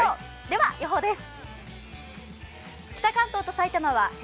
では、予報です。